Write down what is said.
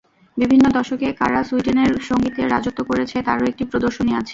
বিভিন্ন দশকে কারা সুইডেনের সংগীতে রাজত্ব করেছে, তারও একটি প্রদর্শনী আছে।